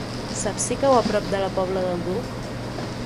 Saps si cau a prop de la Pobla del Duc?